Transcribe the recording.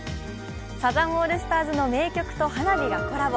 サザンオールスターズの名曲と花火がコラボ。